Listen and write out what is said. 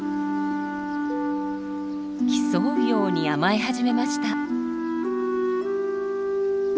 競うように甘え始めました。